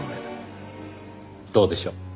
どうでしょう？